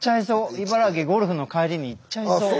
茨城ゴルフの帰りに行っちゃいそう。